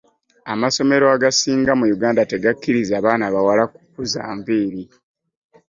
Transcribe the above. Amasomero agasinga mu Uganda tegakiriza baana bawala ku kuza nviri.